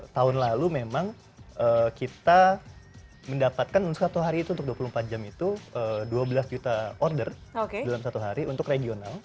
tahun lalu memang kita mendapatkan satu hari itu untuk dua puluh empat jam itu dua belas juta order dalam satu hari untuk regional